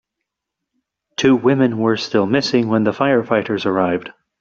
Two women were still missing when the firefighters arrived.